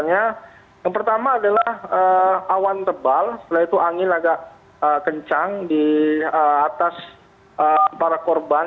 yang pertama adalah awan tebal setelah itu angin agak kencang di atas para korban